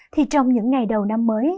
thì trong những ngày đầu năm mới